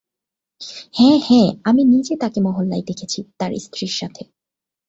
হ্যাঁ হ্যাঁ, আমি নিজে তাকে মহল্লায় দেখেছি, তার স্ত্রীর সাথে।